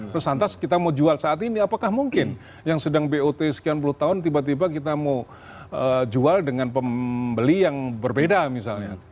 terus lantas kita mau jual saat ini apakah mungkin yang sedang bot sekian puluh tahun tiba tiba kita mau jual dengan pembeli yang berbeda misalnya